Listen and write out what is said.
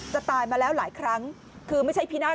ตายมาแล้วหลายครั้งคือไม่ใช่พินาศ